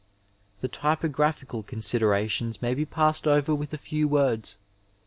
II The typographical considerations may be passed over with a few words.